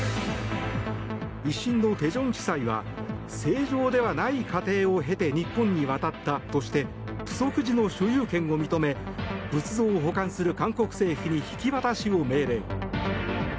１審の大田地裁は正常ではない過程を経て日本に渡ったとして浮石寺の所有権を認め仏像を保管する韓国政府に引き渡しを命令。